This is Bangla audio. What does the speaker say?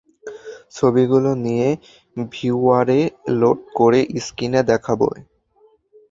ছবিগুলো নিয়ে ভিউয়ারে লোড করে স্ক্রিনে দেখাবে?